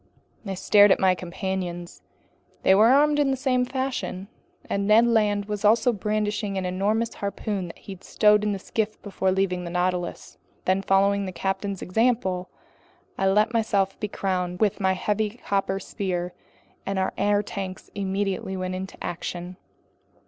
I stared at my companions. They were armed in the same fashion, and Ned Land was also brandishing an enormous harpoon he had stowed in the skiff before leaving the Nautilus. Then, following the captain's example, I let myself be crowned with my heavy copper sphere, and our air tanks immediately went into action.